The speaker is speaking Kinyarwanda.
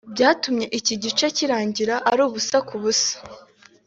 byatumye iki gice kirangira ari ubusa ku busa